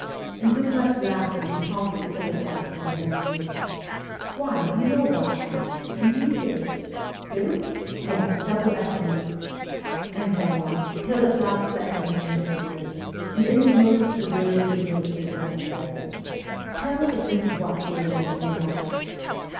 And with much laughter we tossed each other questions and answers :' Why, do you know about that ?'' And you too ?'' Built ?'' Yes, double estimates !' and so on, till at last Stepniak interfered, and in his most severely good natured way objected :' Tell us at least what you are laughing about.'